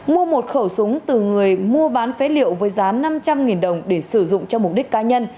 mua một khẩu súng từ người mua bán phế liệu với giá năm trăm linh đồng để sử dụng cho mục đích cá nhân